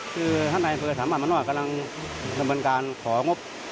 คือห้านในบริเวณสหรัฐสหรัฐมนตร์กำลังดำเนินการของบ